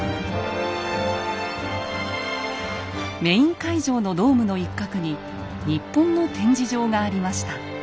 メイン会場のドームの一角に日本の展示場がありました。